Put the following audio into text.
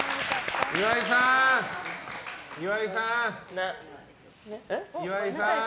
岩井さん、岩井さん。